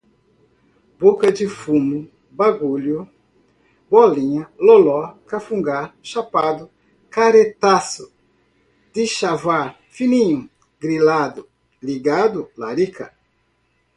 boca de fumo, bagulho, bolinha, loló, cafungar, chapado, caretaço, dichavar, fininho, grilado, ligado, larica